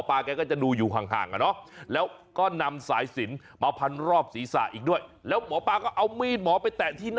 เอาไปดูกันหน่อยตอนที่ทำพิธีเพื่อไล่วิญญาณ